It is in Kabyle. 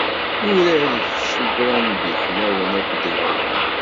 Uraret s ugrambi ḥlawen akked lɛud.